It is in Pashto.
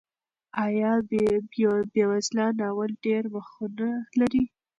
آیا بېوزلان ناول ډېر مخونه لري؟